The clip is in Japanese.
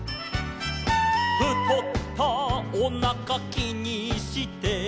「ふとったおなかきにして」